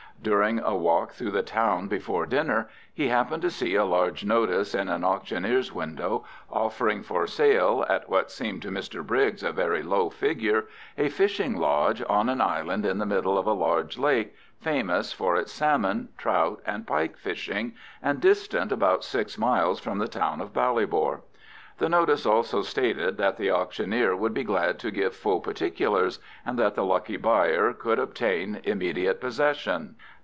During a walk through the town before dinner, he happened to see a large notice in an auctioneer's window, offering for sale, at what seemed to Mr Briggs a very low figure, a fishing lodge on an island in the middle of a large lake, famous for its salmon, trout, and pike fishing, and distant about six miles from the town of Ballybor. The notice also stated that the auctioneer would be glad to give full particulars, and that the lucky buyer could obtain immediate possession.